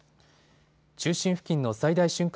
中心付近の最大瞬間